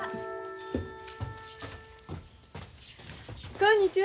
こんにちは。